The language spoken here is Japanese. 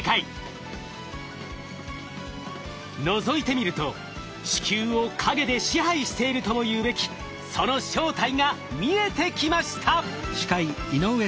のぞいてみると地球を陰で支配しているとも言うべきその正体が見えてきました。